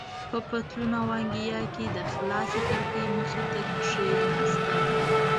په پتلون او انګیا کې د خلاصې کړکۍ مخې ته کېناستم.